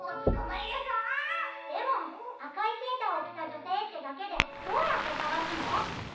でもあかいセーターをきたじょせいってだけでどうやってさがすの？